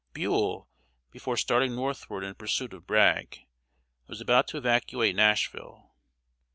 Buell, before starting northward in pursuit of Bragg, was about to evacuate Nashville.